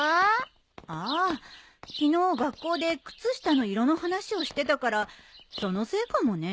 ああ昨日学校で靴下の色の話をしてたからそのせいかもね。